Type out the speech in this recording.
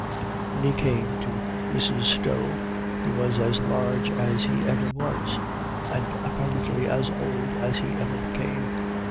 When he came to Mrs. Stowe, he was as large as he ever was, and apparently as old as he ever became.